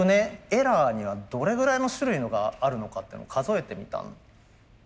エラーにはどれぐらいの種類があるのかっていうのを数えてみたんですよ。